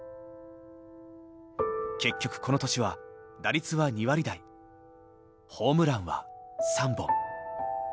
結局この年は打率は２割台ホームランは３本。